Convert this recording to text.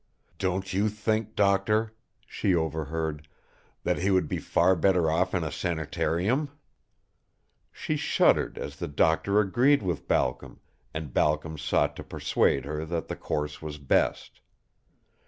"Don't you think, Doctor," she overheard, "that he would be far better off in a sanitarium?" She shuddered as the doctor agreed with Balcom, and Balcom sought to persuade her that the course was best.